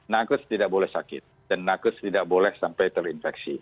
nakes tidak boleh sakit dan nakes tidak boleh sampai terinfeksi